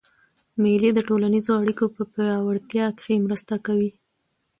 مېلې د ټولنیزو اړیکو په پیاوړتیا کښي مرسته کوي.